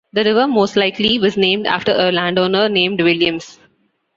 The river most likely was named after a landowner named Williams.